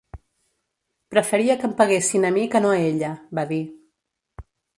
“Preferia que em peguessin a mi que no a ella”, va dir.